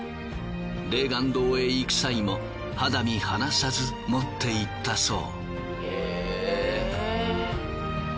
霊巌洞へ行く際も肌身離さず持っていったそう。